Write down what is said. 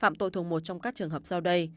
phạm tội thuộc một trong các trường hợp sau đây